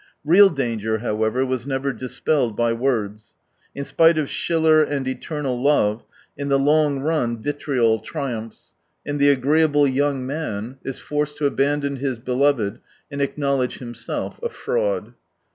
Real danger, however, was never dispelled by words. In spite of Schiller and eternal love, in the long run 133 vitriol triumphs, and the agreeable young man is forced to abandon his beloved and acknowledge himself a fraud.